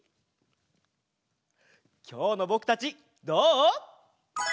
きょうのぼくたちどう？